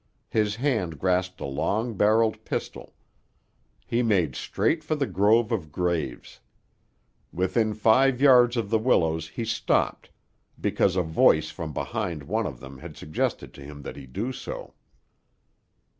His hand grasped a long barreled pistol. He made straight for the grove of graves. Within five yards of the willows he stopped, because a voice from behind one of them had suggested to him that he do so.